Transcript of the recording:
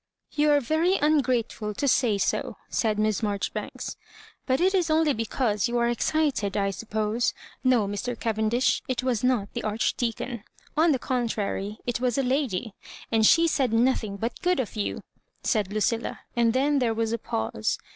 " You are very ungrateful to say so," said Miss Marjoribanks, "but it is only because you are excited, I suppose. No, Mr. Cavendish, it was not the Archdeacon ; on the contrary, it was a lady, and she said nothing but good of you," said Lucilla ; and then there was a pause.